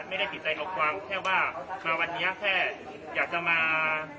ไม่ได้ติดใจลงความแค่ว่ามาวันนี้แค่อยากจะมา